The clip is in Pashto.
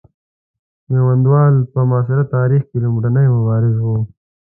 میوندوال په معاصر تاریخ کې لومړنی مبارز وو.